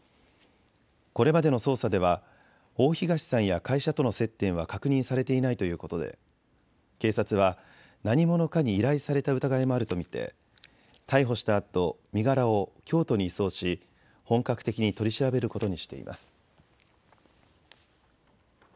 これまでの捜査では大東さんや会社との接点は確認されていないということで警察は何者かに依頼された疑いもあると見て逮捕したあと身柄を京都に移送し本格的に取り調べることにしています。